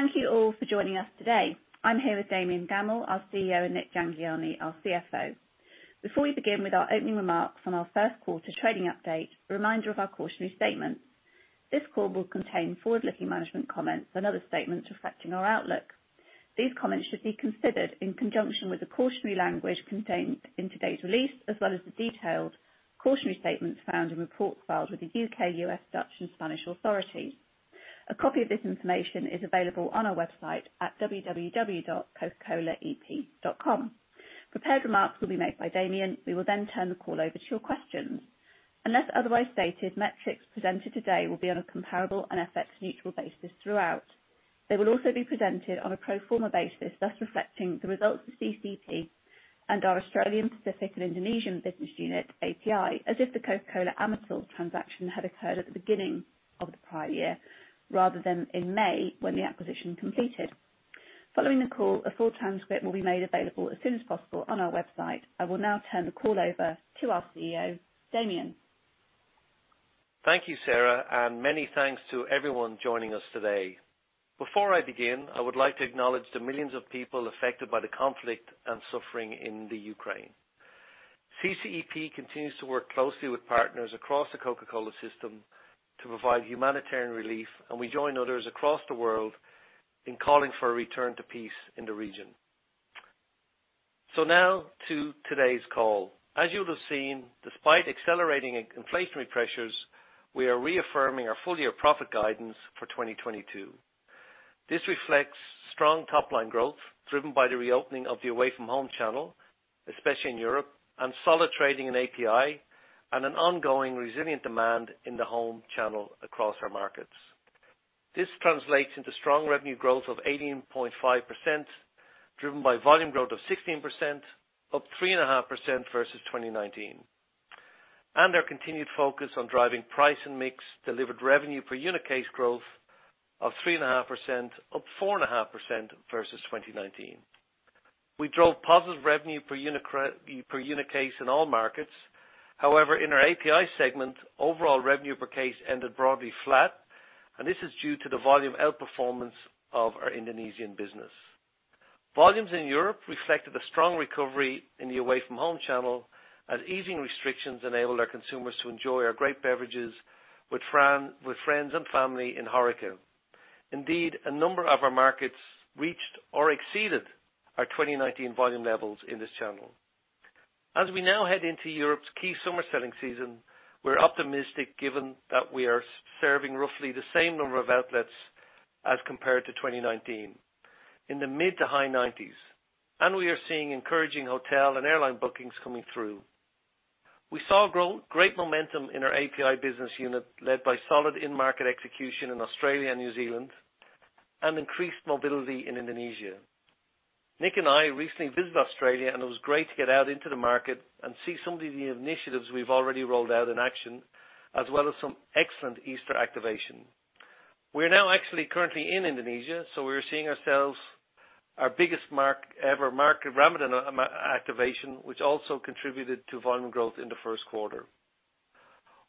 Thank you all for joining us today. I'm here with Damian Gammell, our CEO, and Nik Jhangiani, our CFO. Before we begin with our opening remarks on our first quarter trading update, a reminder of our cautionary statement. This call will contain forward-looking management comments and other statements reflecting our outlook. These comments should be considered in conjunction with the cautionary language contained in today's release, as well as the detailed cautionary statements found in reports filed with the U.K., U.S., Dutch, and Spanish authorities. A copy of this information is available on our website at www.coca-colaep.com. Prepared remarks will be made by Damian. We will then turn the call over to your questions. Unless otherwise stated, metrics presented today will be on a comparable and FX-neutral basis throughout. They will also be presented on a pro forma basis, thus reflecting the results of CCEP and our Australian, Pacific, and Indonesian business unit, API, as if the Coca-Cola Amatil transaction had occurred at the beginning of the prior year, rather than in May, when the acquisition completed. Following the call, a full transcript will be made available as soon as possible on our website. I will now turn the call over to our CEO, Damian. Thank you, Sarah, and many thanks to everyone joining us today. Before I begin, I would like to acknowledge the millions of people affected by the conflict and suffering in Ukraine. CCEP continues to work closely with partners across the Coca-Cola system to provide humanitarian relief, and we join others across the world in calling for a return to peace in the region, so now to today's call. As you'll have seen, despite accelerating inflationary pressures, we are reaffirming our full-year profit guidance for 2022. This reflects strong top-line growth, driven by the reopening of the away-from-home channel, especially in Europe, and solid trading in API, and an ongoing resilient demand in the home channel across our markets. This translates into strong revenue growth of 18.5%, driven by volume growth of 16%, up 3.5% versus 2019. Our continued focus on driving price and mix delivered revenue per unit case growth of 3.5%, up 4.5% versus 2019. We drove positive revenue per unit case in all markets. However, in our API segment, overall revenue per case ended broadly flat, and this is due to the volume outperformance of our Indonesian business. Volumes in Europe reflected a strong recovery in the away-from-home channel, as easing restrictions enabled our consumers to enjoy our great beverages with friends and family in HoReCa. Indeed, a number of our markets reached or exceeded our 2019 volume levels in this channel. As we now head into Europe's key summer selling season, we're optimistic, given that we are serving roughly the same number of outlets as compared to 2019, in the mid- to high-90s, and we are seeing encouraging hotel and airline bookings coming through. We saw great momentum in our API business unit, led by solid in-market execution in Australia and New Zealand, and increased mobility in Indonesia. Nik and I recently visited Australia, and it was great to get out into the market and see some of the initiatives we've already rolled out in action, as well as some excellent Easter activation. We are now actually currently in Indonesia, so we're seeing it ourselves, our biggest market ever, market Ramadan activation, which also contributed to volume growth in the first quarter.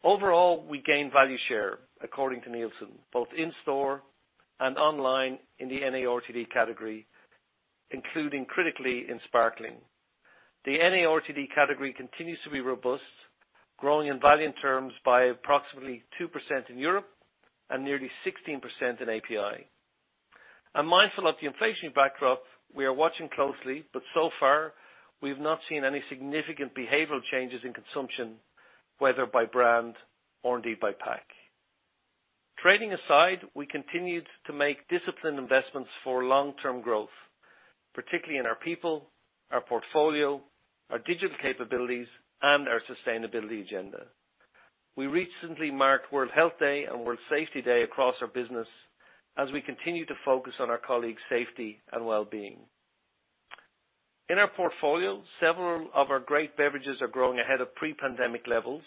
Overall, we gained value share, according to Nielsen, both in store and online in the NARTD category, including critically in sparkling. The NARTD category continues to be robust, growing in volume terms by approximately 2% in Europe and nearly 16% in API. And mindful of the inflationary backdrop, we are watching closely, but so far, we've not seen any significant behavioral changes in consumption, whether by brand or indeed by pack. Trading aside, we continued to make disciplined investments for long-term growth, particularly in our people, our portfolio, our digital capabilities, and our sustainability agenda. We recently marked World Health Day and World Safety Day across our business as we continue to focus on our colleagues' safety and well-being. In our portfolio, several of our great beverages are growing ahead of pre-pandemic levels,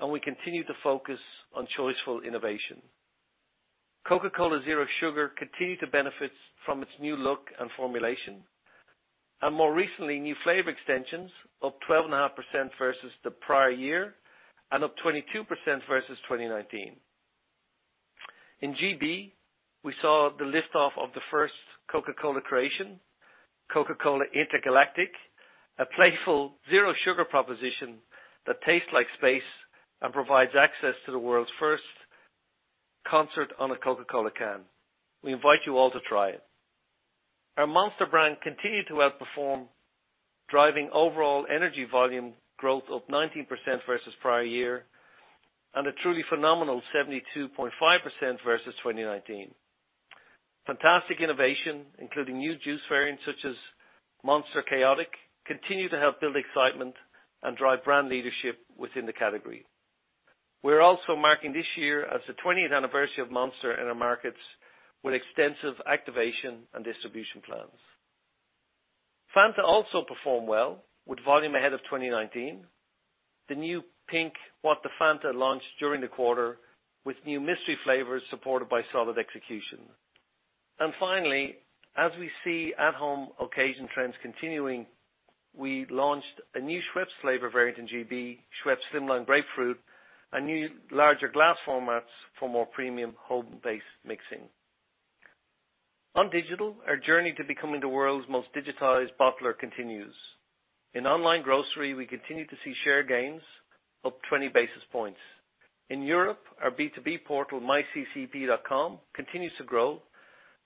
and we continue to focus on choiceful innovation. Coca-Cola Zero Sugar continued to benefit from its new look and formulation, and more recently, new flavor extensions, up 12.5% versus the prior year and up 22% versus 2019. In GB, we saw the lift-off of the first Coca-Cola creation, Coca-Cola Intergalactic, a playful zero sugar proposition that tastes like space and provides access to the world's first concert on a Coca-Cola can. We invite you all to try it. Our Monster brand continued to outperform, driving overall energy volume growth of 19% versus prior year, and a truly phenomenal 72.5% versus 2019. Fantastic innovation, including new juice variants such as Monster Khaotic, continue to help build excitement and drive brand leadership within the category. We're also marking this year as the twentieth anniversary of Monster in our markets with extensive activation and distribution plans. Fanta also performed well, with volume ahead of twenty nineteen. The new pink WhatTheFanta launched during the quarter with new mystery flavors supported by solid execution. And finally, as we see at-home occasion trends continuing, we launched a new Schweppes flavor variant in GB, Schweppes Slimline Grapefruit, and new larger glass formats for more premium home-based mixing. On digital, our journey to becoming the world's most digitized bottler continues. In online grocery, we continue to see share gains up twenty basis points. In Europe, our B2B portal, myccb.com, continues to grow,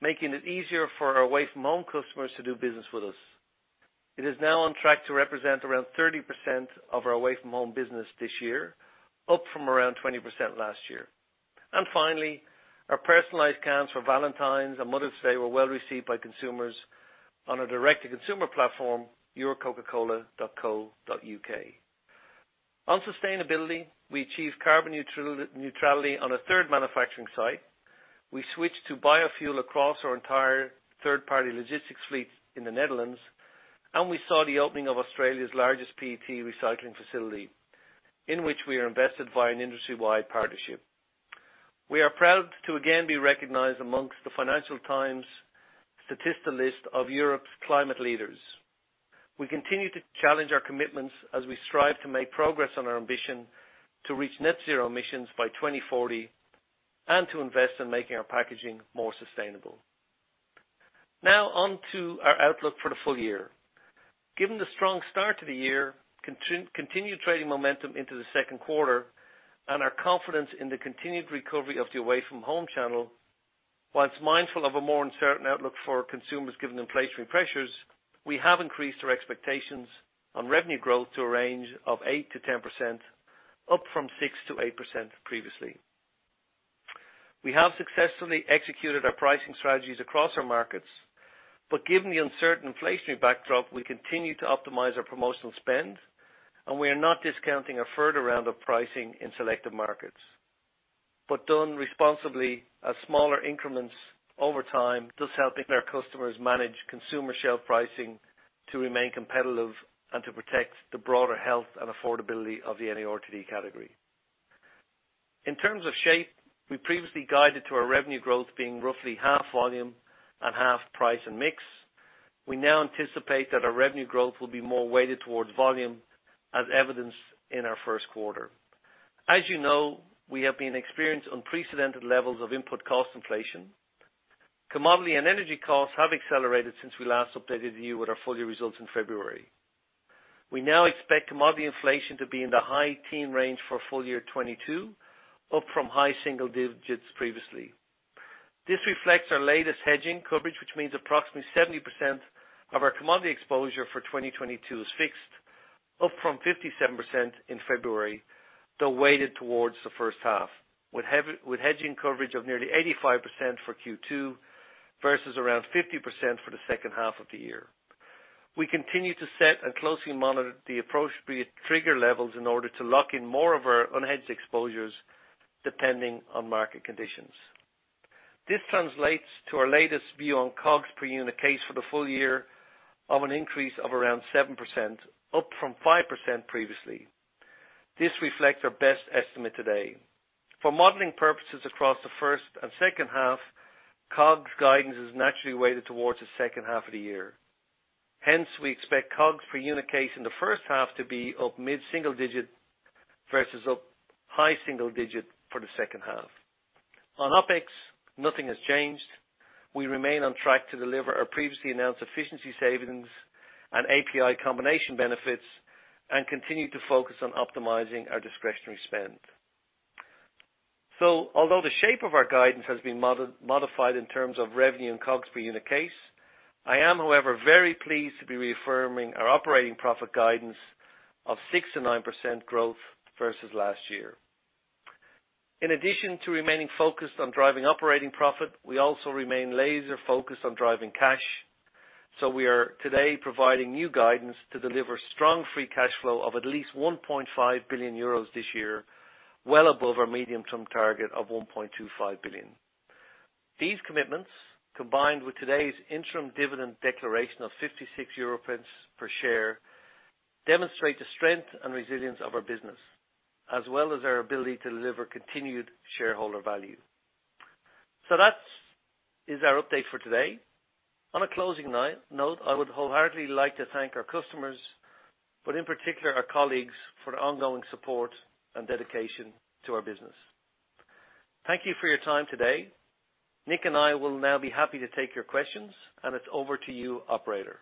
making it easier for our away-from-home customers to do business with us. It is now on track to represent around 30% of our away-from-home business this year, up from around 20% last year. And finally, our personalized cans for Valentine's and Mother's Day were well received by consumers on our direct-to-consumer platform, yourcoca-cola.co.uk. On sustainability, we achieved carbon neutrality on a third manufacturing site. We switched to biofuel across our entire third-party logistics fleet in the Netherlands, and we saw the opening of Australia's largest PET recycling facility, in which we are invested via an industry-wide partnership. We are proud to again be recognized among the Financial Times Statista list of Europe's climate leaders. We continue to challenge our commitments as we strive to make progress on our ambition to reach net zero emissions by 2040, and to invest in making our packaging more sustainable. Now on to our outlook for the full year. Given the strong start to the year, continued trading momentum into the second quarter, and our confidence in the continued recovery of the away-from-home channel, while mindful of a more uncertain outlook for consumers given inflationary pressures, we have increased our expectations on revenue growth to a range of 8%-10%, up from 6%-8% previously. We have successfully executed our pricing strategies across our markets, but given the uncertain inflationary backdrop, we continue to optimize our promotional spend, and we are not discounting a further round of pricing in selective markets, but done responsibly, as smaller increments over time, thus helping our customers manage consumer shelf pricing to remain competitive and to protect the broader health and affordability of the NARTD category. In terms of shape, we previously guided to our revenue growth being roughly half volume and half price and mix. We now anticipate that our revenue growth will be more weighted towards volume, as evidenced in our first quarter. As you know, we have been experienced unprecedented levels of input cost inflation. Commodity and energy costs have accelerated since we last updated you with our full year results in February. We now expect commodity inflation to be in the high teen range for full year 2022, up from high single digits previously. This reflects our latest hedging coverage, which means approximately 70% of our commodity exposure for 2022 is fixed, up from 57% in February, though weighted towards the first half, with hedging coverage of nearly 85% for Q2, versus around 50% for the second half of the year. We continue to set and closely monitor the appropriate trigger levels in order to lock in more of our unhedged exposures, depending on market conditions. This translates to our latest view on COGS per unit case for the full year of an increase of around 7%, up from 5% previously. This reflects our best estimate today. For modeling purposes across the first and second half, COGS guidance is naturally weighted towards the second half of the year. Hence, we expect COGS per unit case in the first half to be up mid-single digit, versus up high single digit for the second half. On OpEx, nothing has changed. We remain on track to deliver our previously announced efficiency savings and API combination benefits, and continue to focus on optimizing our discretionary spend. So although the shape of our guidance has been modified in terms of revenue and COGS per unit case, I am, however, very pleased to be reaffirming our operating profit guidance of 6-9% growth versus last year. In addition to remaining focused on driving operating profit, we also remain laser focused on driving cash, so we are today providing new guidance to deliver strong free cash flow of at least 1.5 billion euros this year, well above our medium-term target of 1.25 billion EUR. These commitments, combined with today's interim dividend declaration of 0.56 euro per share, demonstrate the strength and resilience of our business, as well as our ability to deliver continued shareholder value. So that's our update for today. On a closing note, I would wholeheartedly like to thank our customers, but in particular, our colleagues, for their ongoing support and dedication to our business. Thank you for your time today. Nik and I will now be happy to take your questions, and it's over to you, operator.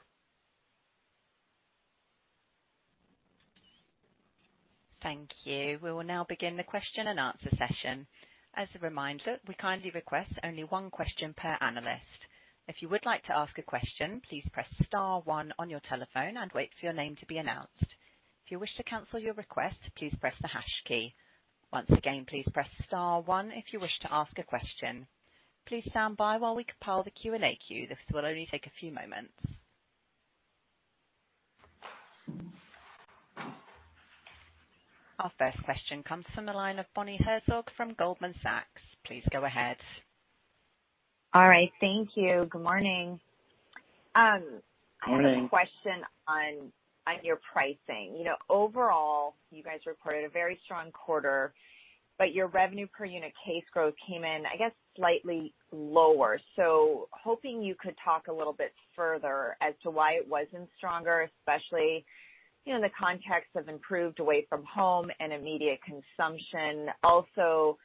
Thank you. We will now begin the question and answer session. As a reminder, we kindly request only one question per analyst. If you would like to ask a question, please press star one on your telephone and wait for your name to be announced. If you wish to cancel your request, please press the hash key. Once again, please press star one if you wish to ask a question. Please stand by while we compile the Q&A queue. This will only take a few moments. Our first question comes from the line of Bonnie Herzog from Goldman Sachs. Please go ahead. All right. Thank you. Good morning. I have a question on, on your pricing. You know, overall, you guys reported a very strong quarter.... but your revenue per unit case growth came in, I guess, slightly lower. So hoping you could talk a little bit further as to why it wasn't stronger, especially, you know, in the context of improved away from home and immediate consumption. Also,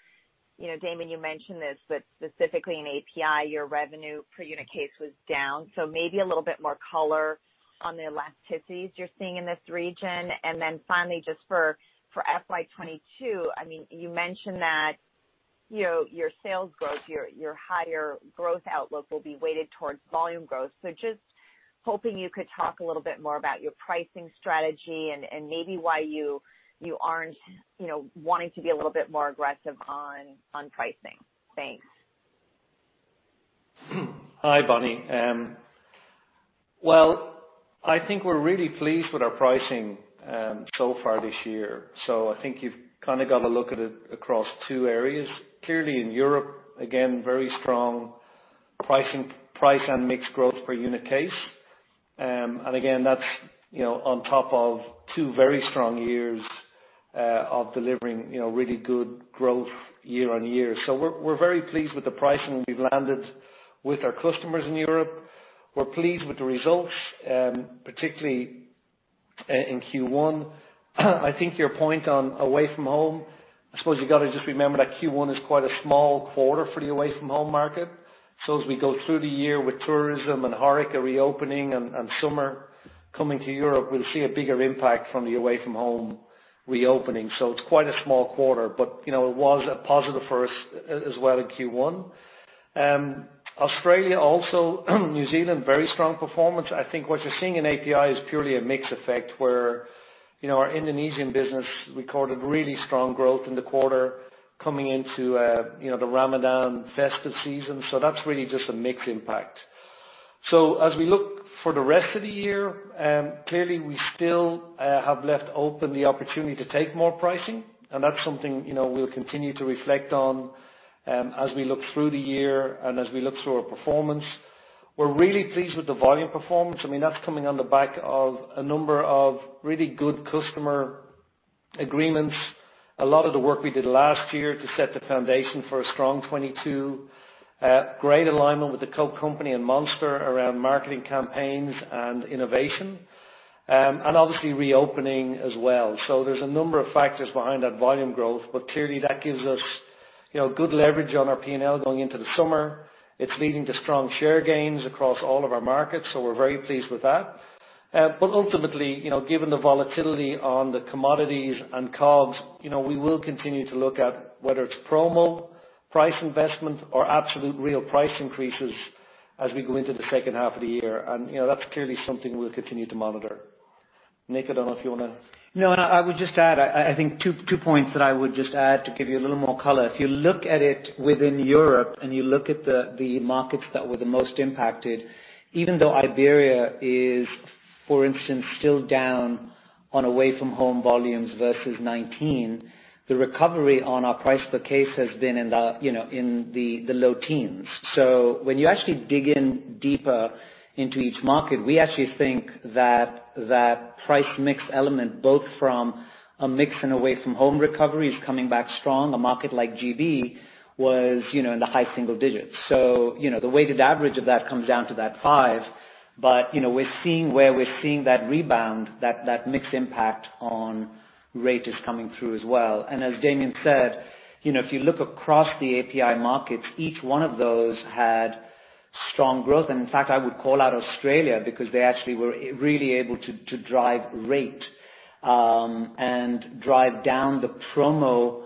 you know, Damian, you mentioned this, but specifically in API, your revenue per unit case was down, so maybe a little bit more color on the elasticities you're seeing in this region. And then finally, just for FY 2022, I mean, you mentioned that, you know, your sales growth, your higher growth outlook will be weighted towards volume growth. So just hoping you could talk a little bit more about your pricing strategy and maybe why you aren't, you know, wanting to be a little bit more aggressive on pricing. Thanks. Hi, Bonnie. Well, I think we're really pleased with our pricing, so far this year. So I think you've kind of got to look at it across two areas. Clearly, in Europe, again, very strong pricing, price and mixed growth per unit case. And again, that's, you know, on top of two very strong years, of delivering, you know, really good growth year on year. So we're very pleased with the pricing we've landed with our customers in Europe. We're pleased with the results, particularly, in Q1. I think your point on away from home, I suppose you've got to just remember that Q1 is quite a small quarter for the away from home market. As we go through the year with tourism and HoReCa reopening and summer coming to Europe, we'll see a bigger impact from the away from home reopening. It's quite a small quarter, but, you know, it was a positive for us as well in Q1. Australia also, New Zealand, very strong performance. I think what you're seeing in API is purely a mix effect, where, you know, our Indonesian business recorded really strong growth in the quarter coming into, you know, the Ramadan festive season. That's really just a mix impact. As we look for the rest of the year, clearly, we still have left open the opportunity to take more pricing, and that's something, you know, we'll continue to reflect on, as we look through the year and as we look through our performance. We're really pleased with the volume performance. I mean, that's coming on the back of a number of really good customer agreements. A lot of the work we did last year to set the foundation for a strong 2022. Great alignment with the Coke Company and Monster around marketing campaigns and innovation, and obviously reopening as well. So there's a number of factors behind that volume growth, but clearly, that gives us, you know, good leverage on our P&L going into the summer. It's leading to strong share gains across all of our markets, so we're very pleased with that. But ultimately, you know, given the volatility on the commodities and COGS, you know, we will continue to look at whether it's promo, price investment, or absolute real price increases as we go into the second half of the year. You know, that's clearly something we'll continue to monitor. Nik, I don't know if you wanna- No, and I would just add, I think two points that I would just add to give you a little more color. If you look at it within Europe and you look at the markets that were the most impacted, even though Iberia is, for instance, still down on away from home volumes versus nineteen, the recovery on our price per case has been in the, you know, in the low teens. So when you actually dig in deeper into each market, we actually think that that price mix element, both from a mix and away from home recovery, is coming back strong. A market like GB was, you know, in the high single digits. So, you know, the weighted average of that comes down to that 5%, but, you know, we're seeing where we're seeing that rebound, that mix impact on rate is coming through as well. And as Damian said, you know, if you look across the API markets, each one of those had strong growth. And in fact, I would call out Australia because they actually were really able to drive rate and drive down the promo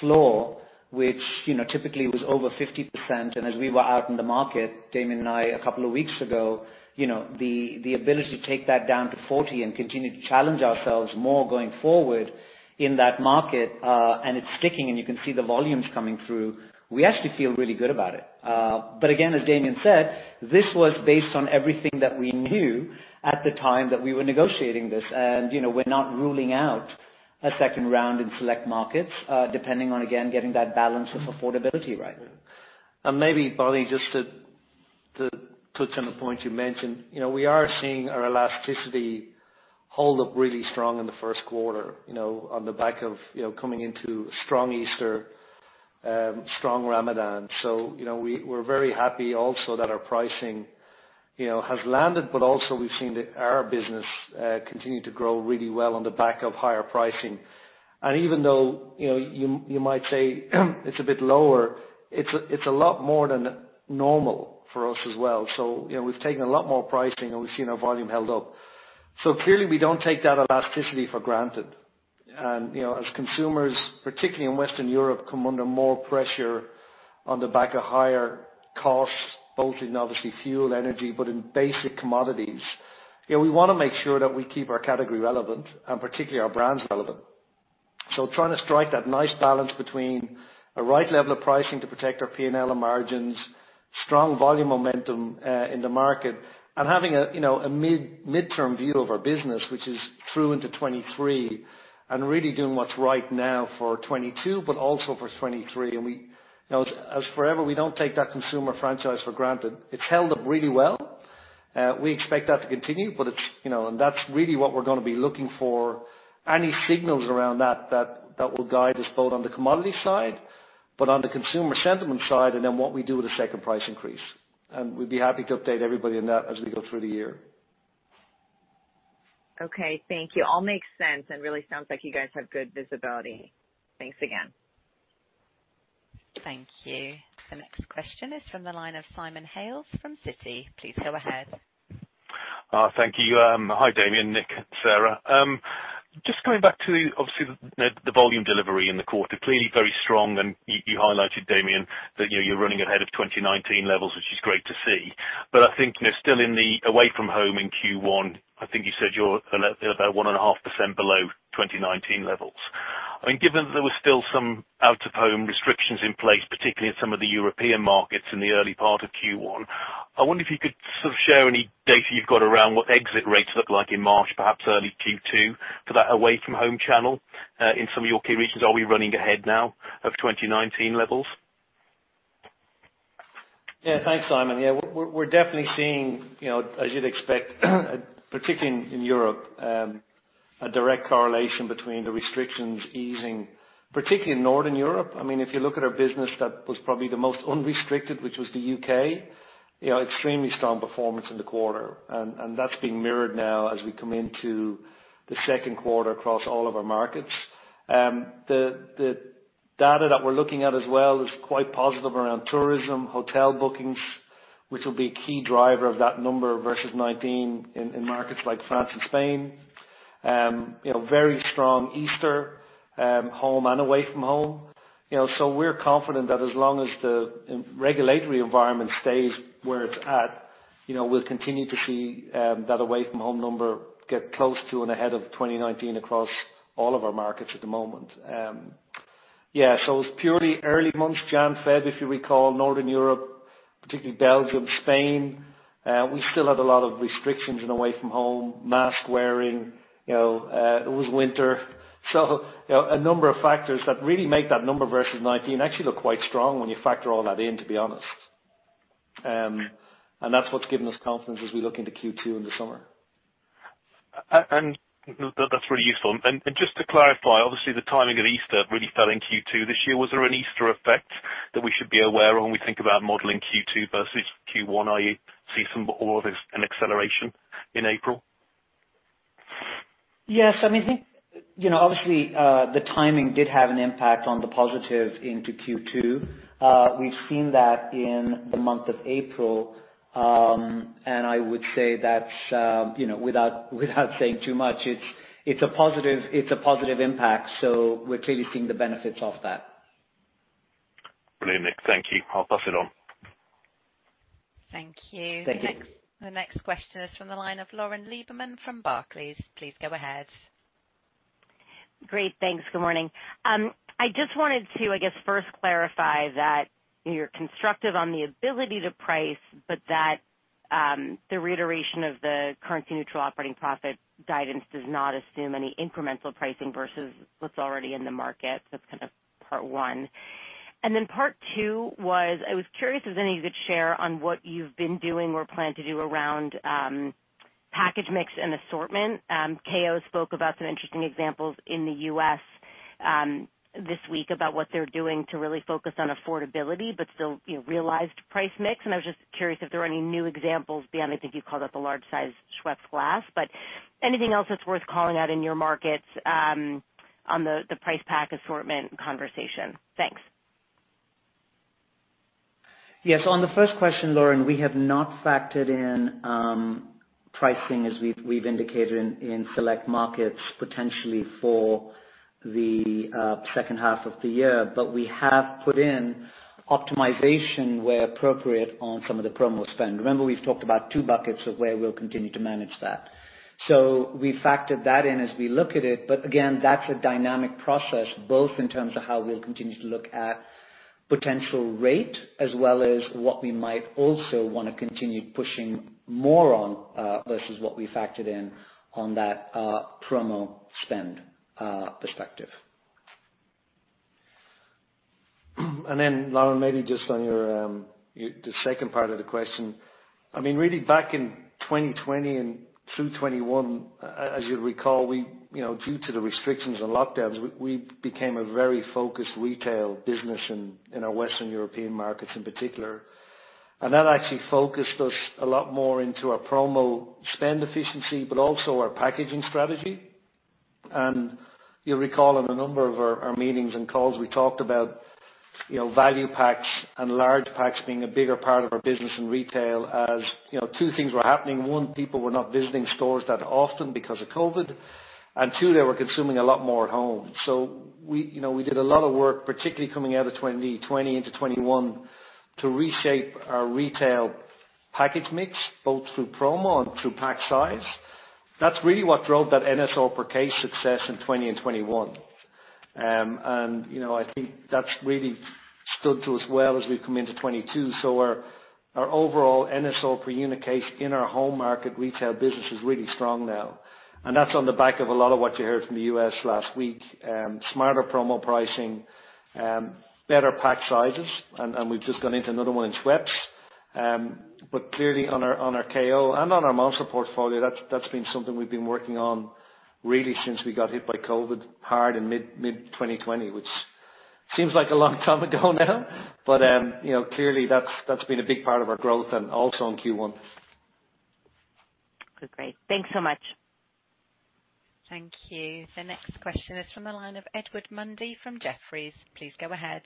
floor, which, you know, typically was over 50%. And as we were out in the market, Damian and I, a couple of weeks ago, you know, the ability to take that down to 40% and continue to challenge ourselves more going forward in that market, and it's sticking, and you can see the volumes coming through. We actually feel really good about it. But again, as Damian said, this was based on everything that we knew at the time that we were negotiating this, and, you know, we're not ruling out a second round in select markets, depending on, again, getting that balance of affordability right. And maybe, Bonnie, just to touch on the point you mentioned, you know, we are seeing our elasticity hold up really strong in the first quarter, you know, on the back of, you know, coming into a strong Easter, strong Ramadan. So, you know, we're very happy also that our pricing, you know, has landed, but also we've seen our business continue to grow really well on the back of higher pricing. And even though, you know, you might say, it's a bit lower, it's a lot more than normal for us as well. So, you know, we've taken a lot more pricing, and we've seen our volume held up. So clearly, we don't take that elasticity for granted. You know, as consumers, particularly in Western Europe, come under more pressure on the back of higher costs, both in obviously fuel, energy, but in basic commodities, you know, we wanna make sure that we keep our category relevant, and particularly our brands relevant. So trying to strike that nice balance between a right level of pricing to protect our P&L and margins, strong volume momentum in the market, and having a, you know, a midterm view of our business, which is through into 2023, and really doing what's right now for 2022, but also for 2023. You know, as ever, we don't take that consumer franchise for granted. It's held up really well. We expect that to continue, but it's, you know, and that's really what we're gonna be looking for, any signals around that that will guide us both on the commodity side, but on the consumer sentiment side, and then what we do with the second price increase, and we'd be happy to update everybody on that as we go through the year. Okay, thank you. All makes sense, and really sounds like you guys have good visibility. Thanks again. Thank you. The next question is from the line of Simon Hales from Citi. Please go ahead. Thank you. Hi, Damian, Nik, Sarah. Just coming back to, obviously, the volume delivery in the quarter, clearly very strong, and you highlighted, Damian, that, you know, you're running ahead of 2019 levels, which is great to see. But I think, you know, still in the away from home in Q1, I think you said you're about 1.5% below 2019 levels. I mean, given that there was still some out-of-home restrictions in place, particularly in some of the European markets in the early part of Q1, I wonder if you could sort of share any data you've got around what exit rates look like in March, perhaps early Q2, for that away from home channel, in some of your key regions. Are we running ahead now of 2019 levels? Yeah. Thanks, Simon. Yeah, we're definitely seeing, you know, as you'd expect, particularly in Europe, a direct correlation between the restrictions easing, particularly in Northern Europe. I mean, if you look at our business, that was probably the most unrestricted, which was the U.K., you know, extremely strong performance in the quarter. That's being mirrored now as we come into the second quarter across all of our markets. The data that we're looking at as well is quite positive around tourism, hotel bookings, which will be a key driver of that number versus 2019 in markets like France and Spain. You know, very strong Easter, home and away from home. You know, so we're confident that as long as the regulatory environment stays where it's at, you know, we'll continue to see that away from home number get close to and ahead of 2019 across all of our markets at the moment. Yeah, so it's purely early months, January, February, if you recall, Northern Europe, particularly Belgium, Spain, we still had a lot of restrictions in away from home, mask wearing, you know, it was winter. So you know, a number of factors that really make that number versus 2019 actually look quite strong when you factor all that in, to be honest. And that's what's given us confidence as we look into Q2 in the summer. And that, that's really useful. And just to clarify, obviously, the timing of Easter really fell in Q2 this year. Was there an Easter effect that we should be aware of when we think about modeling Q2 versus Q1? Are you seeing some more of an acceleration in April? Yes. I mean, I think, you know, obviously, the timing did have a positive impact into Q2. We've seen that in the month of April, and I would say that, you know, without saying too much, it's a positive impact, so we're clearly seeing the benefits of that. Brilliant, Nik. Thank you. I'll pass it on. Thank you. Thank you. The next question is from the line of Lauren Lieberman from Barclays. Please go ahead. Great, thanks. Good morning. I just wanted to, I guess, first clarify that you're constructive on the ability to price, but that, the reiteration of the currency neutral operating profit guidance does not assume any incremental pricing versus what's already in the market. That's kind of part one. And then part two was, I was curious if any of you could share on what you've been doing or plan to do around, package mix and assortment. KO spoke about some interesting examples in the U.S., this week, about what they're doing to really focus on affordability but still, you know, realized price mix. And I was just curious if there were any new examples beyond, I think you called out the large size Schweppes glass. But anything else that's worth calling out in your markets, on the price pack assortment conversation? Thanks. Yes, on the first question, Lauren, we have not factored in pricing as we've indicated in select markets, potentially for the second half of the year. But we have put in optimization, where appropriate, on some of the promo spend. Remember, we've talked about two buckets of where we'll continue to manage that. So we factored that in as we look at it. But again, that's a dynamic process, both in terms of how we'll continue to look at potential rate, as well as what we might also wanna continue pushing more on versus what we factored in on that promo spend perspective. Then, Lauren, maybe just on your, your, the second part of the question. I mean, really back in 2020 and through 2021, as you'll recall, we, you know, due to the restrictions and lockdowns, we became a very focused retail business in our Western European markets in particular. That actually focused us a lot more into our promo spend efficiency, but also our packaging strategy. You'll recall in a number of our meetings and calls, we talked about, you know, value packs and large packs being a bigger part of our business in retail. As, you know, two things were happening: one, people were not visiting stores that often because of COVID, and two, they were consuming a lot more at home. So we, you know, we did a lot of work, particularly coming out of twenty twenty into twenty twenty-one, to reshape our retail package mix, both through promo and through pack size. That's really what drove that NSR per case success in 2021. And, you know, I think that's really stood to us well as we come into 2022. Our overall NSR per unit case in our home market retail business is really strong now, and that's on the back of a lot of what you heard from the U.S. last week. Smarter promo pricing, better pack sizes, and we've just gone into another one in Schweppes. But clearly on our KO and on our Monster portfolio, that's been something we've been working on really since we got hit by COVID hard in mid-2020, which seems like a long time ago now, but you know, clearly, that's been a big part of our growth and also in Q1. Good. Great. Thanks so much. Thank you. The next question is from the line of Edward Mundy from Jefferies. Please go ahead.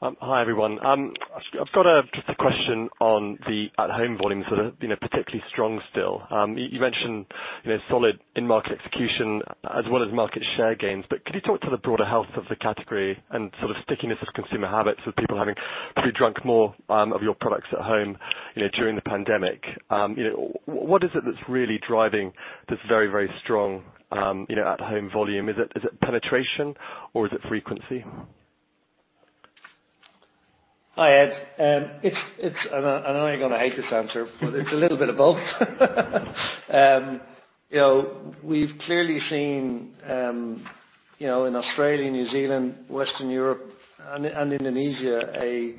Hi, everyone. I've got just a question on the at-home volumes that are, you know, particularly strong still. You mentioned, you know, solid in-market execution as well as market share gains, but could you talk to the broader health of the category and sort of stickiness of consumer habits, with people having probably drunk more of your products at home, you know, during the pandemic? You know, what is it that's really driving this very, very strong, you know, at-home volume? Is it penetration or is it frequency? Hi, Ed. It's... And I know you're gonna hate this answer, but it's a little bit of both. You know, we've clearly seen, you know, in Australia, New Zealand, Western Europe and Indonesia, a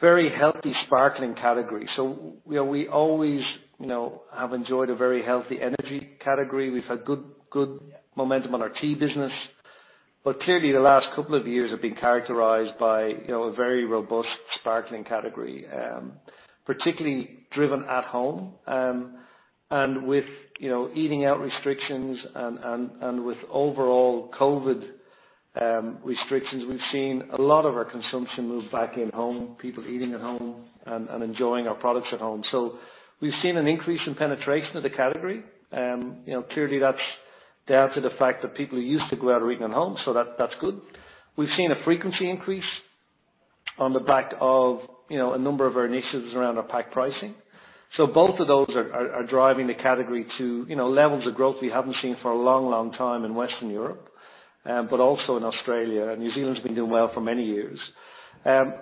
very healthy sparkling category. So, you know, we always, you know, have enjoyed a very healthy energy category. We've had good momentum on our tea business, but clearly, the last couple of years have been characterized by, you know, a very robust sparkling category, particularly driven at home. And with, you know, eating out restrictions and with overall COVID restrictions, we've seen a lot of our consumption move back in home, people eating at home and enjoying our products at home. So we've seen an increase in penetration of the category. You know, clearly that's down to the fact that people are used to go out eating at home, so that's good. We've seen a frequency increase on the back of, you know, a number of our initiatives around our pack pricing. So both of those are driving the category to, you know, levels of growth we haven't seen for a long, long time in Western Europe, but also in Australia, and New Zealand's been doing well for many years. And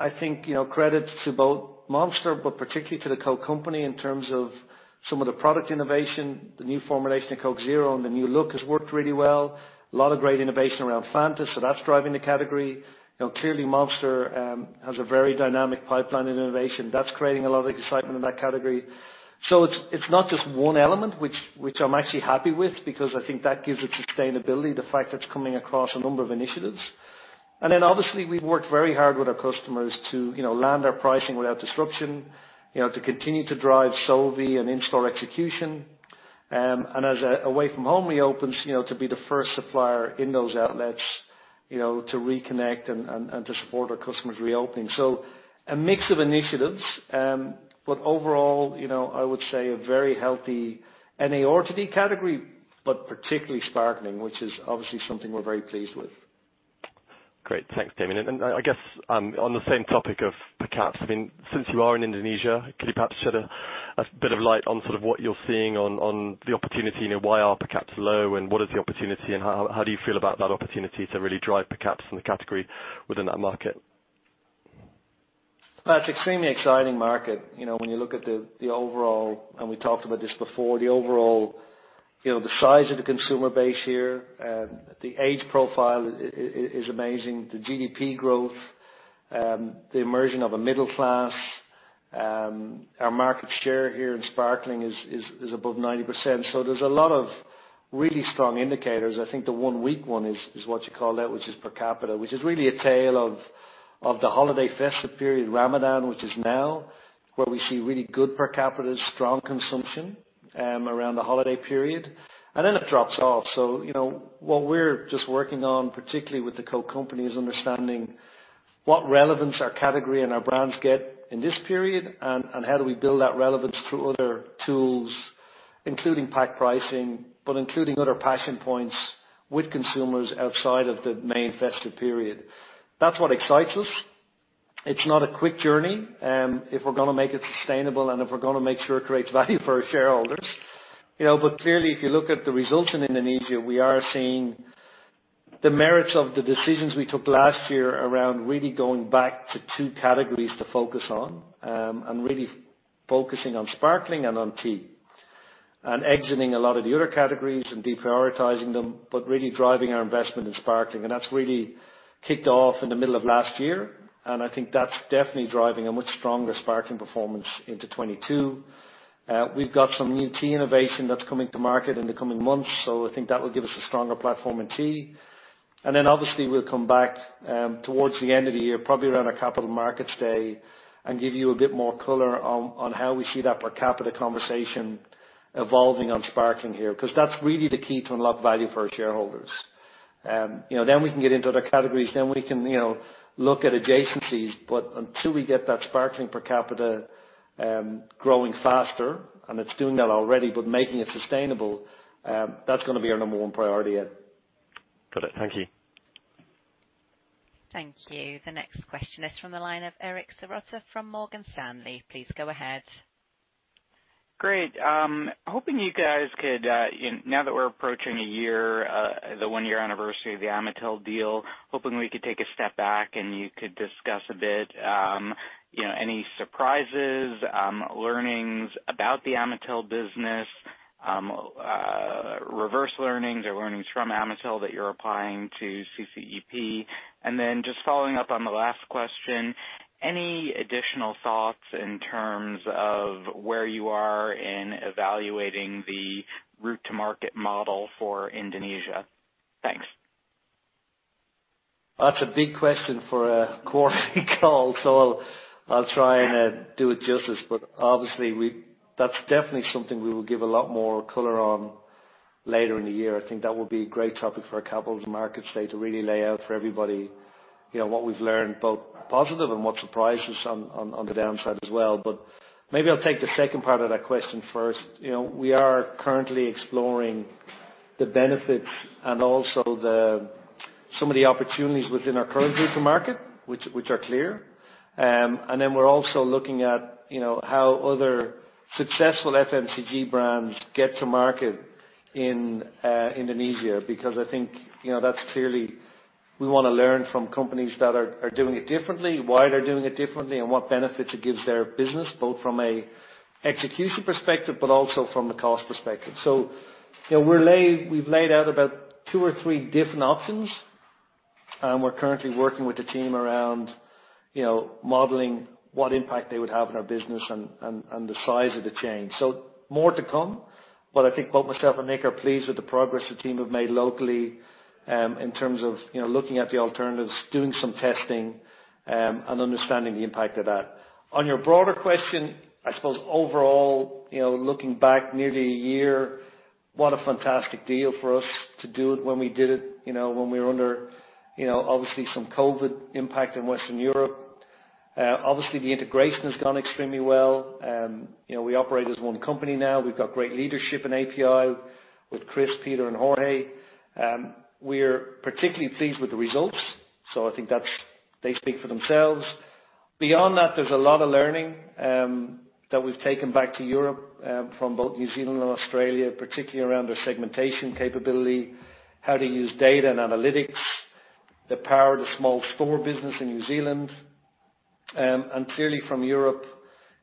I think, you know, credit to both Monster, but particularly to The Coke Company, in terms of some of the product innovation, the new formulation of Coke Zero, and the new look has worked really well. A lot of great innovation around Fanta, so that's driving the category. You know, clearly, Monster has a very dynamic pipeline in innovation. That's creating a lot of excitement in that category. So it's not just one element, which I'm actually happy with, because I think that gives it sustainability, the fact that it's coming across a number of initiatives. And then obviously, we've worked very hard with our customers to, you know, land our pricing without disruption, you know, to continue to drive SOI and in-store execution. And as away-from-home reopens, you know, to be the first supplier in those outlets, you know, to reconnect and to support our customers reopening. So a mix of initiatives, but overall, you know, I would say a very healthy NARTD category, but particularly sparkling, which is obviously something we're very pleased with. Great. Thanks, Damian. And I guess, on the same topic of per caps, I mean, since you are in Indonesia, could you perhaps shed a bit of light on sort of what you're seeing on the opportunity and why are per caps low, and what is the opportunity, and how do you feel about that opportunity to really drive per caps in the category within that market? It's an extremely exciting market. You know, when you look at the overall. And we talked about this before, the overall, you know, the size of the consumer base here, the age profile is amazing, the GDP growth, the emergence of a middle class. Our market share here in sparkling is above 90%, so there's a lot of really strong indicators. I think the one weak one is what you call that, which is per capita, which is really a tale of the holiday festive period, Ramadan, which is now, where we see really good per capita, strong consumption around the holiday period, and then it drops off. You know, what we're just working on, particularly with The Coke Company, is understanding what relevance our category and our brands get in this period, and how do we build that relevance through other tools, including pack pricing, but including other passion points with consumers outside of the main festive period. That's what excites us. It's not a quick journey, if we're gonna make it sustainable, and if we're gonna make sure it creates value for our shareholders. You know, but clearly, if you look at the results in Indonesia, we are seeing the merits of the decisions we took last year around really going back to two categories to focus on. And really focusing on sparkling and on tea, and exiting a lot of the other categories and deprioritizing them, but really driving our investment in sparkling. And that's really kicked off in the middle of last year, and I think that's definitely driving a much stronger sparkling performance into 2022. We've got some new tea innovation that's coming to market in the coming months, so I think that will give us a stronger platform in tea. And then obviously, we'll come back towards the end of the year, probably around our capital markets day, and give you a bit more color on how we see that per capita conversation evolving on sparkling here, 'cause that's really the key to unlock value for our shareholders. You know, then we can get into other categories, then we can, you know, look at adjacencies, but until we get that sparkling per capita growing faster, and it's doing that already, but making it sustainable, that's gonna be our number one priority, Ed. Got it. Thank you. Thank you. The next question is from the line of Eric Serota from Morgan Stanley. Please go ahead. ... Great. Hoping you guys could, you know, now that we're approaching a year, the one-year anniversary of the Amatil deal, hoping we could take a step back and you could discuss a bit, you know, any surprises, learnings about the Amatil business, reverse learnings or learnings from Amatil that you're applying to CCEP. And then just following up on the last question, any additional thoughts in terms of where you are in evaluating the route to market model for Indonesia? Thanks. That's a big question for a quarterly call, so I'll try and do it justice. But obviously, that's definitely something we will give a lot more color on later in the year. I think that would be a great topic for a capital markets day, to really lay out for everybody, you know, what we've learned, both positive and what surprised us on the downside as well. But maybe I'll take the second part of that question first. You know, we are currently exploring the benefits and also some of the opportunities within our current group to market, which are clear, and then we're also looking at, you know, how other successful FMCG brands get to market in Indonesia, because I think, you know, that's clearly... We wanna learn from companies that are doing it differently, why they're doing it differently, and what benefits it gives their business, both from an execution perspective, but also from a cost perspective. So, you know, we've laid out about two or three different options, and we're currently working with the team around, you know, modeling what impact they would have on our business and the size of the change. So more to come, but I think both myself and Nik are pleased with the progress the team have made locally, in terms of, you know, looking at the alternatives, doing some testing, and understanding the impact of that. On your broader question, I suppose overall, you know, looking back nearly a year, what a fantastic deal for us to do it when we did it, you know, when we were under, you know, obviously some COVID impact in Western Europe. Obviously, the integration has gone extremely well. You know, we operate as one company now. We've got great leadership in API with Chris, Peter and Jorge. We're particularly pleased with the results, so I think that's, they speak for themselves. Beyond that, there's a lot of learning that we've taken back to Europe from both New Zealand and Australia, particularly around their segmentation capability, how to use data and analytics, the power of the small store business in New Zealand. And clearly from Europe,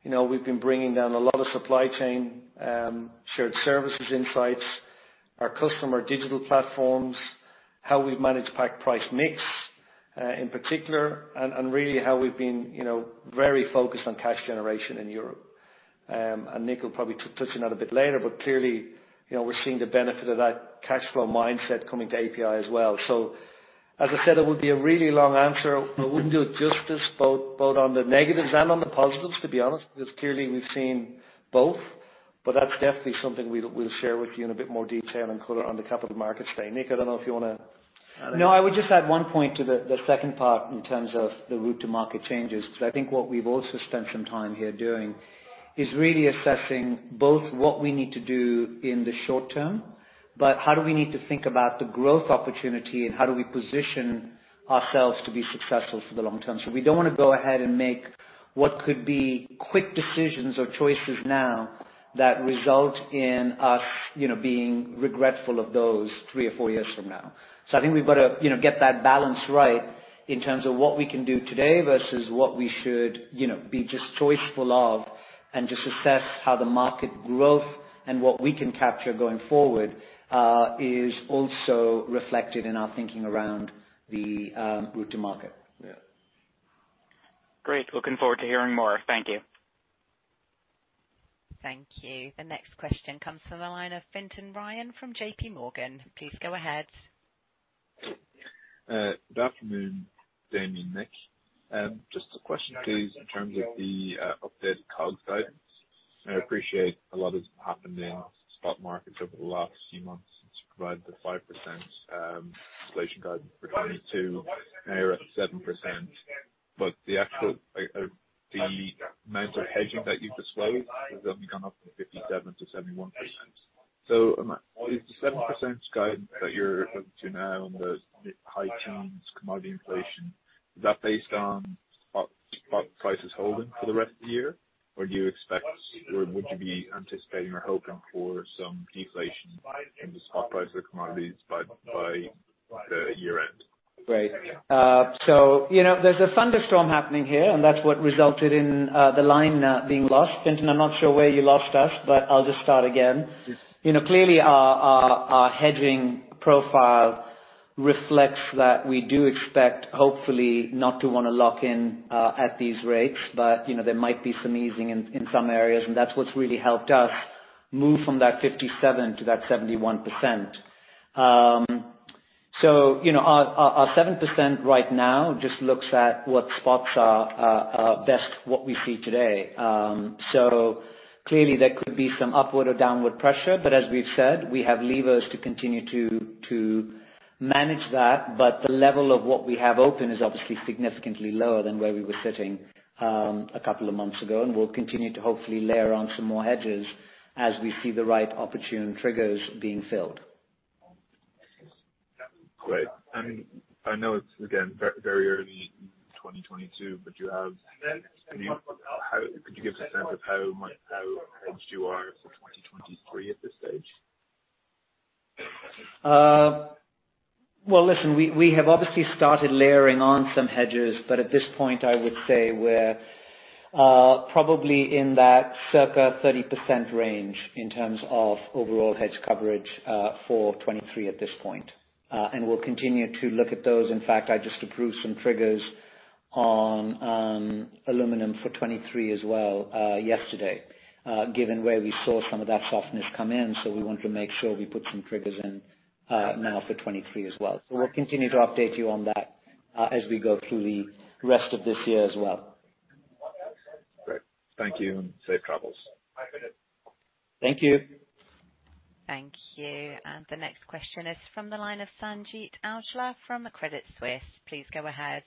you know, we've been bringing down a lot of supply chain, shared services insights, our customer digital platforms, how we've managed pack price mix, in particular, and really how we've been, you know, very focused on cash generation in Europe. And Nik will probably touch on that a bit later, but clearly, you know, we're seeing the benefit of that cash flow mindset coming to API as well. So as I said, it would be a really long answer. I wouldn't do it justice, both on the negatives and on the positives, to be honest, because clearly we've seen both. But that's definitely something we'll share with you in a bit more detail and color on the capital markets day. Nik, I don't know if you wanna- No, I would just add one point to the second part in terms of the route to market changes, because I think what we've also spent some time here doing is really assessing both what we need to do in the short term, but how do we need to think about the growth opportunity and how do we position ourselves to be successful for the long term? So we don't wanna go ahead and make what could be quick decisions or choices now that result in us, you know, being regretful of those three or four years from now. So I think we've got to, you know, get that balance right in terms of what we can do today versus what we should, you know, be just choiceful of, and just assess how the market growth and what we can capture going forward is also reflected in our thinking around the route to market. Yeah. Great. Looking forward to hearing more. Thank you. Thank you. The next question comes from the line of Fintan Ryan from JPMorgan. Please go ahead. Good afternoon, Damian, Nik. Just a question, please, in terms of the updated COGS guidance. I appreciate a lot has happened in stock markets over the last few months to provide the 5% inflation guidance for 2022, and you're at 7%. But the actual amount of hedging that you've disclosed has only gone up from 57% to 71%. So am I- the 7% guidance that you're hoping to now on the high commodity inflation, is that based on spot prices holding for the rest of the year? Or do you expect, or would you be anticipating or hoping for some deflation in the spot price of the commodities by the year end? Great. So, you know, there's a thunderstorm happening here, and that's what resulted in the line being lost. Fintan, I'm not sure where you lost us, but I'll just start again. You know, clearly our hedging profile reflects that we do expect, hopefully, not to wanna lock in at these rates, but, you know, there might be some easing in some areas, and that's what's really helped us move from that 57% to that 71%. So, you know, our 7% right now just looks at what spots are best, what we see today. So clearly there could be some upward or downward pressure, but as we've said, we have levers to continue to manage that. But the level of what we have open is obviously significantly lower than where we were sitting a couple of months ago, and we'll continue to hopefully layer on some more hedges as we see the right opportune triggers being filled. ... Great. I know it's, again, very early in 2022, but could you give us a sense of how hedged you are for 2023 at this stage? Well, listen, we have obviously started layering on some hedges, but at this point, I would say we're probably in that circa 30% range in terms of overall hedge coverage for 2023, and we'll continue to look at those. In fact, I just approved some triggers on aluminum for 2023 as well yesterday, given where we saw some of that softness come in, so we want to make sure we put some triggers in now for 2023 as well, so we'll continue to update you on that as we go through the rest of this year as well. Great. Thank you, and safe travels. Thank you. Thank you. And the next question is from the line of Sanjit Aujla from Credit Suisse. Please go ahead.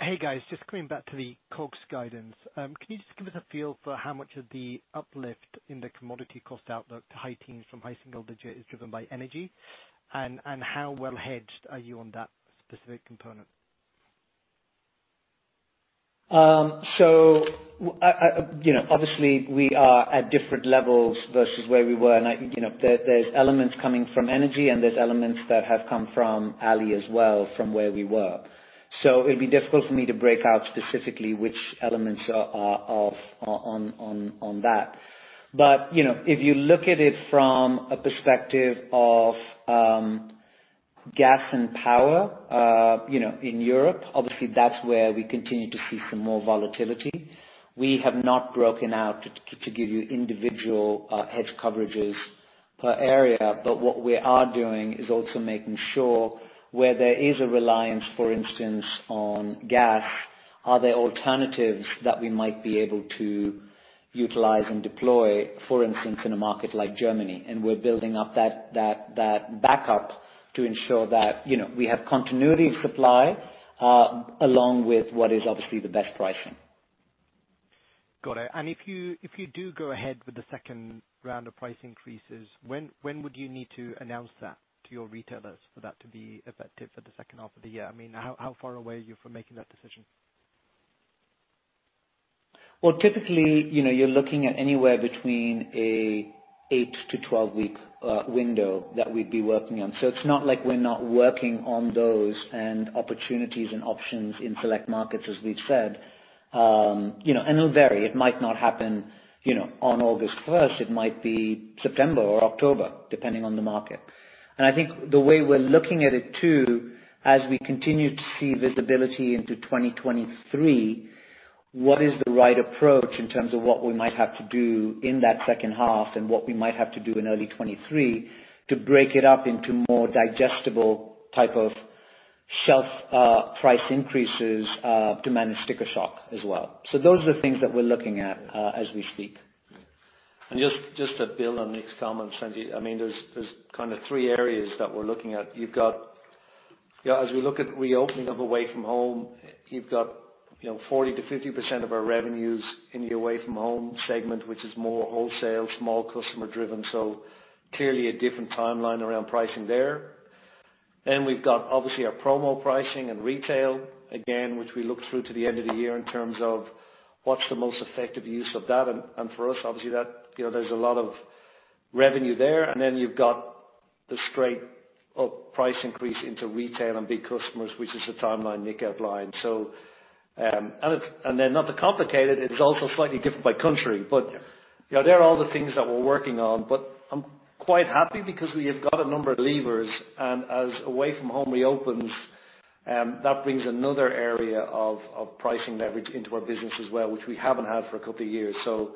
Hey, guys, just coming back to the COGS guidance. Can you just give us a feel for how much of the uplift in the commodity cost outlook to high teens from high single digit is driven by energy? And how well hedged are you on that specific component? So, I, you know, obviously, we are at different levels versus where we were. And I think, you know, there, there's elements coming from energy, and there's elements that have come from oil as well, from where we were. So it'd be difficult for me to break out specifically which elements are on that. But, you know, if you look at it from a perspective of gas and power, you know, in Europe, obviously, that's where we continue to see some more volatility. We have not broken out to give you individual hedge coverages per area, but what we are doing is also making sure where there is a reliance, for instance, on gas, are there alternatives that we might be able to utilize and deploy, for instance, in a market like Germany? We're building up that backup to ensure that, you know, we have continuity of supply, along with what is obviously the best pricing. Got it. And if you do go ahead with the second round of price increases, when would you need to announce that to your retailers for that to be effective for the second half of the year? I mean, how far away are you from making that decision? Well, typically, you know, you're looking at anywhere between an eight- to 12-week window that we'd be working on. So it's not like we're not working on those, and opportunities and options in select markets, as we've said. You know, and it'll vary. It might not happen, you know, on August first, it might be September or October, depending on the market. And I think the way we're looking at it, too, as we continue to see visibility into 2023, what is the right approach in terms of what we might have to do in that second half and what we might have to do in early 2023, to break it up into more digestible type of shelf price increases to manage sticker shock as well? So those are the things that we're looking at as we speak. And just to build on Nik's comments, Sanjit, I mean, there's kind of three areas that we're looking at. As we look at reopening of away from home, you've got, you know, 40%-50% of our revenues in the away from home segment, which is more wholesale, small customer driven, so clearly a different timeline around pricing there. Then we've got, obviously, our promo pricing and retail, again, which we look through to the end of the year in terms of what's the most effective use of that. And for us, obviously, that, you know, there's a lot of revenue there. And then you've got the straight-up price increase into retail and big customers, which is the timeline Nik outlined. And then not to complicate it, it's also slightly different by country. But, you know, they're all the things that we're working on. But I'm quite happy because we have got a number of levers, and as away from home reopens, that brings another area of pricing leverage into our business as well, which we haven't had for a couple of years. So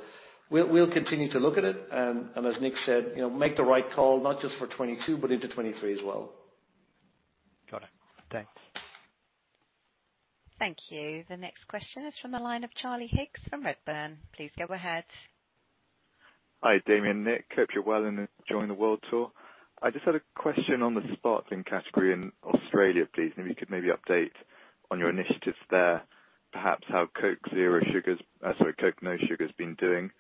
we'll continue to look at it, and as Nik said, you know, make the right call, not just for 2022, but into 2023 as well. Got it. Thanks. Thank you. The next question is from the line of Charlie Higgs from Redburn. Please go ahead. Hi, Damian, Nik. Hope you're well and enjoying the world tour. I just had a question on the sparkling category in Australia, please. Maybe you could update on your initiatives there, perhaps how Coke Zero Sugar's, sorry, Coke No Sugar's been doing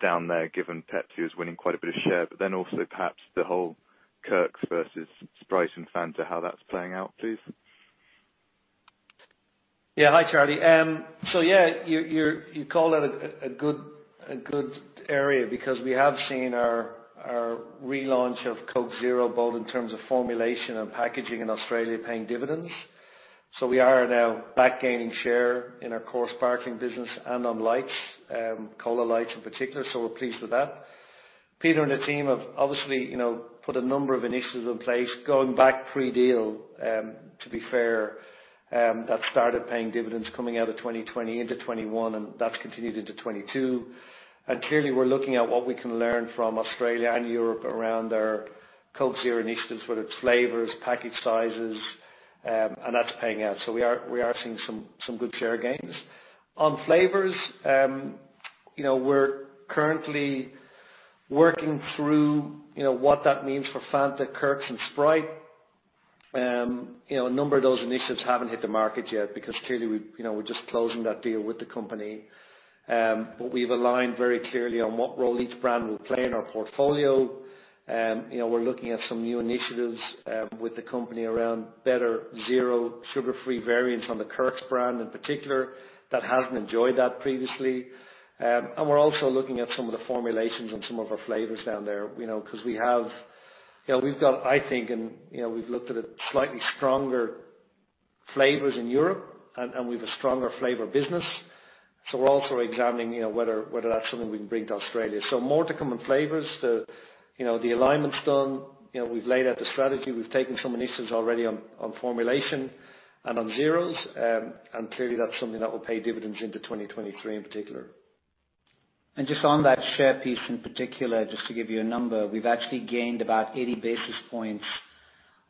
down there, given Pepsi is winning quite a bit of share, but then also perhaps the whole Kirks versus Sprite and Fanta, how that's playing out, please? Yeah. Hi, Charlie. So yeah, you called out a good area because we have seen our relaunch of Coke Zero, both in terms of formulation and packaging in Australia, paying dividends. So we are now back gaining share in our core sparkling business and on lights, cola lights in particular, so we're pleased with that. Peter and the team have obviously, you know, put a number of initiatives in place, going back pre-deal, to be fair, that started paying dividends coming out of 2020 into 2021, and that's continued into 2022. Clearly, we're looking at what we can learn from Australia and Europe around our Coke Zero initiatives, whether it's flavors, package sizes, and that's paying out. So we are seeing some good share gains. On flavors, you know, we're currently working through, you know, what that means for Fanta, Kirks, and Sprite. You know, a number of those initiatives haven't hit the market yet, because clearly, we, you know, we're just closing that deal with the company. But we've aligned very clearly on what role each brand will play in our portfolio. You know, we're looking at some new initiatives with the company around better zero sugar-free variants on the Kirks brand, in particular, that hasn't enjoyed that previously. And we're also looking at some of the formulations on some of our flavors down there, you know, 'cause we have slightly stronger flavors in Europe, and we've a stronger flavor business. We're also examining, you know, whether that's something we can bring to Australia. More to come on flavors. You know, the alignment's done, you know. We've laid out the strategy. We've taken some initiatives already on formulation and on zeros. Clearly that's something that will pay dividends into 2023 in particular. Just on that share piece, in particular, just to give you a number, we've actually gained about eighty basis points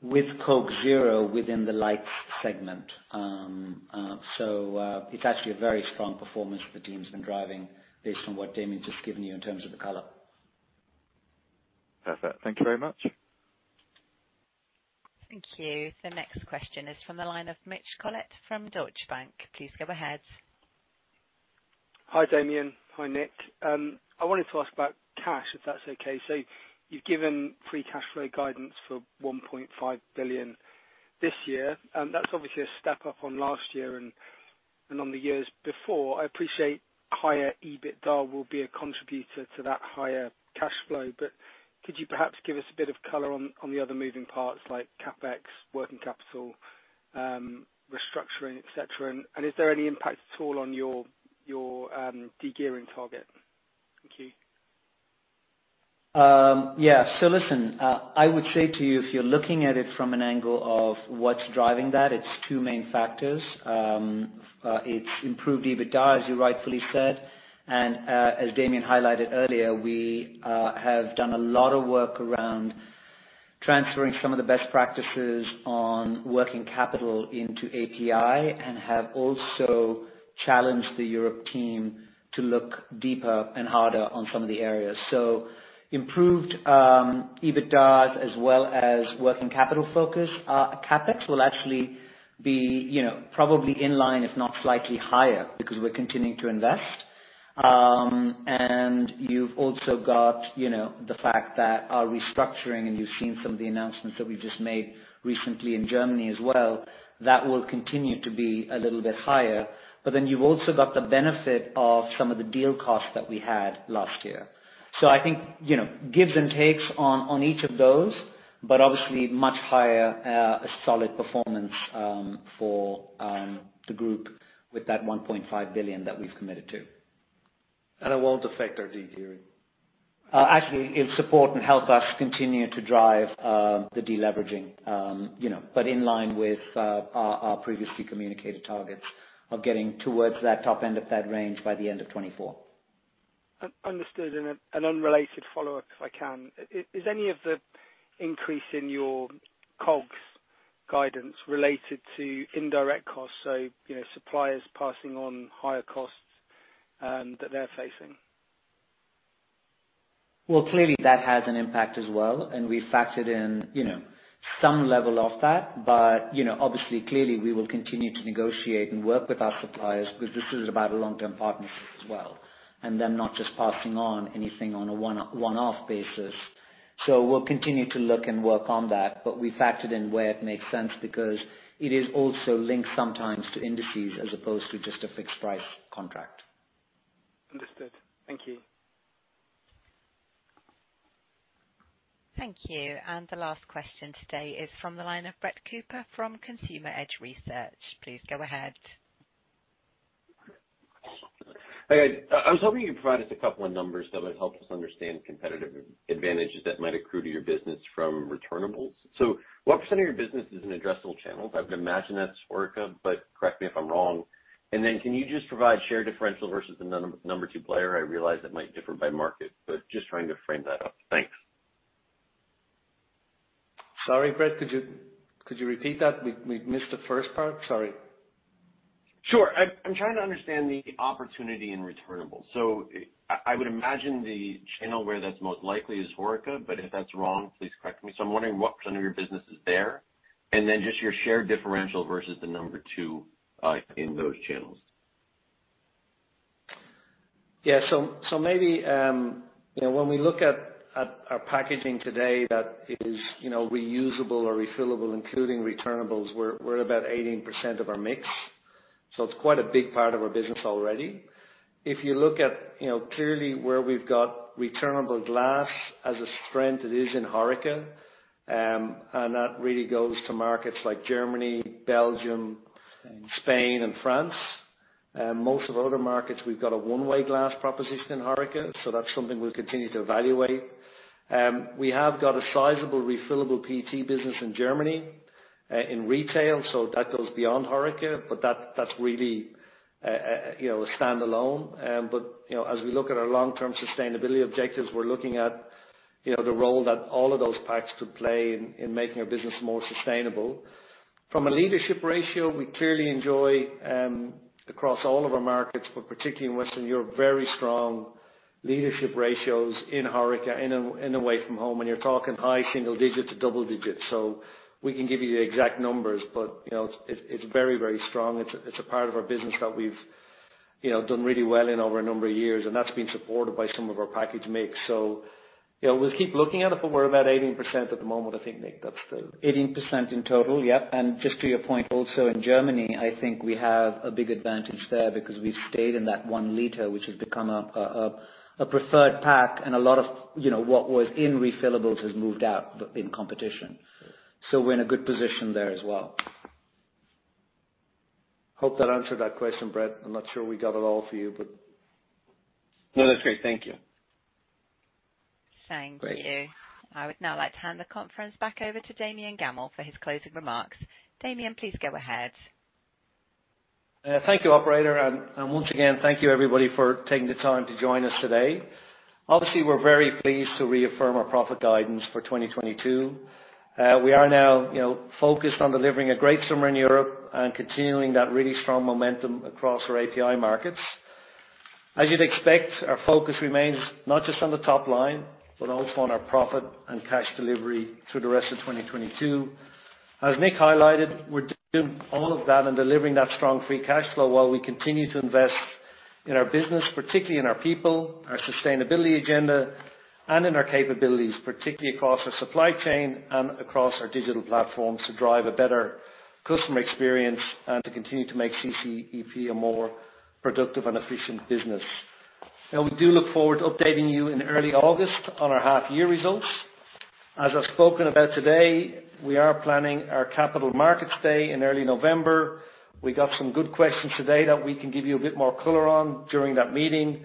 with Coke Zero within the lights segment. It's actually a very strong performance the team's been driving, based on what Damian just given you in terms of the color. Perfect. Thank you very much. Thank you. The next question is from the line of Mitch Collett from Deutsche Bank. Please go ahead. Hi, Damian. Hi, Nik. I wanted to ask about cash, if that's okay. So you've given free cash flow guidance for 1.5 billion this year, and that's obviously a step up from last year and, and on the years before. I appreciate higher EBITDA will be a contributor to that higher cash flow, but could you perhaps give us a bit of color on the other moving parts, like CapEx, working capital, restructuring, et cetera? And is there any impact at all on your de-gearing target? Thank you. Yeah. So listen, I would say to you, if you're looking at it from an angle of what's driving that, it's two main factors. It's improved EBITDA, as you rightfully said, and as Damian highlighted earlier, we have done a lot of work around transferring some of the best practices on working capital into API, and have also challenged the Europe team to look deeper and harder on some of the areas. So improved EBITDA, as well as working capital focus. Our CapEx will actually be, you know, probably in line, if not slightly higher, because we're continuing to invest. And you've also got, you know, the fact that our restructuring, and you've seen some of the announcements that we've just made recently in Germany as well, that will continue to be a little bit higher. But then you've also got the benefit of some of the deal costs that we had last year. So I think, you know, gives and takes on each of those, but obviously much higher solid performance for the group with that 1.5 billion that we've committed to. It won't affect our de-gearing. Actually, it'll support and help us continue to drive the de-leveraging. You know, but in line with our previously communicated targets of getting towards that top end of that range by the end of 2024. Understood. And an unrelated follow-up, if I can. Is any of the increase in your COGS guidance related to indirect costs, so, you know, suppliers passing on higher costs that they're facing? Clearly, that has an impact as well, and we factored in, you know, some level of that. You know, obviously, clearly, we will continue to negotiate and work with our suppliers, because this is about a long-term partnership as well, and them not just passing on anything on a one-off basis. We'll continue to look and work on that, but we factored in where it makes sense, because it is also linked sometimes to indices as opposed to just a fixed price contract. Understood. Thank you. Thank you. And the last question today is from the line of Brett Cooper from Consumer Edge Research. Please go ahead. Hi, guys. I was hoping you'd provide us a couple of numbers that would help us understand competitive advantages that might accrue to your business from returnables. So what % of your business is an addressable channel? I would imagine that's HoReCa, but correct me if I'm wrong. And then, can you just provide share differential versus the number two player? I realize that might differ by market, but just trying to frame that up. Thanks. Sorry, Brett, could you repeat that? We've missed the first part. Sorry. Sure. I'm trying to understand the opportunity in returnable. So I would imagine the channel where that's most likely is HoReCa, but if that's wrong, please correct me. So I'm wondering what % of your business is there, and then just your share differential versus the number two in those channels. Yeah. So maybe, you know, when we look at our packaging today, that is, you know, reusable or refillable, including returnables, we're about 18% of our mix. So it's quite a big part of our business already. If you look at, you know, clearly where we've got returnable glass as a strength, it is in HoReCa, and that really goes to markets like Germany, Belgium, Spain, and France. Most of the other markets, we've got a one-way glass proposition in HoReCa, so that's something we'll continue to evaluate. We have got a sizable refillable PET business in Germany, in retail, so that goes beyond HoReCa, but that's really, you know, a standalone. But, you know, as we look at our long-term sustainability objectives, we're looking at, you know, the role that all of those packs could play in, in making our business more sustainable. From a leadership ratio, we clearly enjoy, across all of our markets, but particularly in Western Europe, very strong leadership ratios in HoReCa, in, in away from home, and you're talking high single digits to double digits. So we can give you the exact numbers, but, you know, it's, it's very, very strong. It's, it's a part of our business that we've, you know, done really well in over a number of years, and that's been supported by some of our package mix. So, you know, we'll keep looking at it, but we're about 18% at the moment, I think, Nik, that's the- 18% in total, yep, and just to your point, also in Germany, I think we have a big advantage there because we've stayed in that one liter, which has become a preferred pack, and a lot of, you know, what was in refillables has moved out in competition. So we're in a good position there as well. Hope that answered that question, Brett. I'm not sure we got it all for you, but... No, that's great. Thank you. Thank you. I would now like to hand the conference back over to Damian Gammell for his closing remarks. Damian, please go ahead. Thank you, operator, and once again, thank you everybody for taking the time to join us today. Obviously, we're very pleased to reaffirm our profit guidance for 2022. We are now, you know, focused on delivering a great summer in Europe and continuing that really strong momentum across our API markets. As you'd expect, our focus remains not just on the top line, but also on our profit and cash delivery through the rest of 2022. As Nik highlighted, we're doing all of that and delivering that strong free cash flow while we continue to invest in our business, particularly in our people, our sustainability agenda, and in our capabilities, particularly across our supply chain and across our digital platforms, to drive a better customer experience and to continue to make CCEP a more productive and efficient business. Now, we do look forward to updating you in early August on our half year results. As I've spoken about today, we are planning our capital markets day in early November. We got some good questions today that we can give you a bit more color on during that meeting,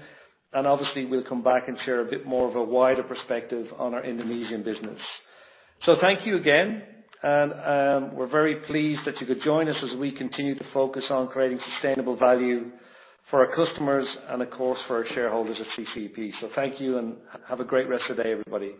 and obviously, we'll come back and share a bit more of a wider perspective on our Indonesian business. So thank you again, and, we're very pleased that you could join us as we continue to focus on creating sustainable value for our customers and, of course, for our shareholders at CCEP. So thank you, and have a great rest of the day, everybody.